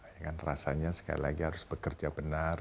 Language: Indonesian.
ya kan rasanya sekali lagi harus bekerja benar